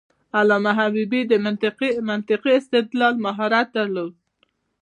علامه حبيبي د منطقي استدلال مهارت درلود.